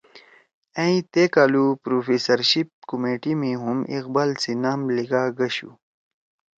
ائں تے کالُو پروفیسرشپ کمیٹی می ہُم اقبال سی نام لیِگاگَشُو